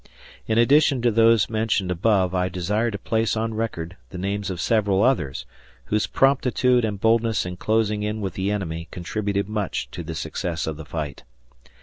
In addition to those mentioned above I desire to place on record the names of several others, whose promptitude and boldness in closing in with the enemy contributed much to the success of the fight.